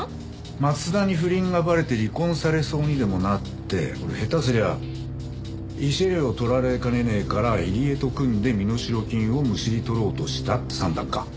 松田に不倫がバレて離婚されそうにでもなってこれ下手すりゃ慰謝料を取られかねねえから入江と組んで身代金をむしり取ろうとしたって算段か。